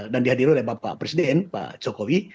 dan dihadiri oleh pak presiden pak jokowi